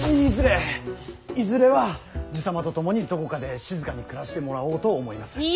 いずれいずれは爺様と共にどこかで静かに暮らしてもらおうと思います。